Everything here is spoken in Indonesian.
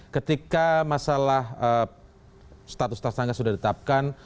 ketika masalah status tersangka sudah ditetapkan